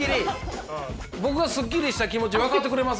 僕がスッキリした気持ち分かってくれます？